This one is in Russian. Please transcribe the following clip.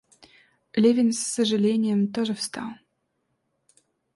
Левин с сожалением тоже встал.